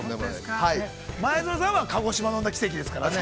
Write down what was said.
前園さんは鹿児島の奇跡ですからね。